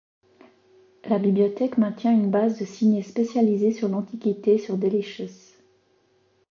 La bibliothèque maintient une base de signets spécialisés sur l'Antiquité sur Delicious.